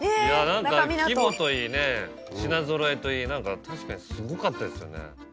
規模といいね品ぞろえといい何か確かにすごかったですよね。